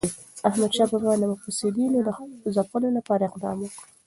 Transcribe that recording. احمدشاه بابا د مفسدینو د ځپلو لپاره اقدام وکړ.